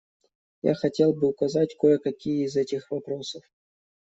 Я хотел бы указать кое-какие из этих вопросов.